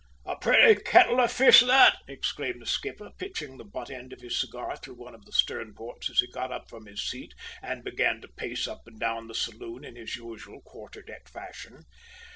"A pretty kettle of fish that!" exclaimed the skipper, pitching the butt end of his cigar through one of the stern ports as he got up from his seat and began to pace up and down the saloon in his usual quarter deck fashion.